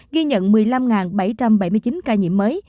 ghi nhận một mươi năm bảy trăm bảy mươi chín ca nhiễm mới